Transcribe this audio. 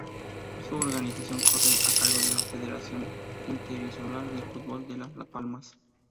Su organización corre a cargo de la Federación Interinsular de fútbol de Las Palmas.